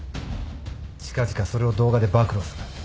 近々それを動画で暴露する。